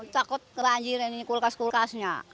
takut kebanjiran ini kulkas kulkasnya